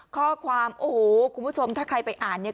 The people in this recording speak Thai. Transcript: ข้อความโอ้โหคุณผู้ชมถ้าใครไปอ่านเนี่ย